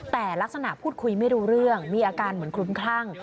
แต่ลักษณะพูดคุยไม่รู้เรื่องมีอาการเหมือนคลุ้มคลั่ง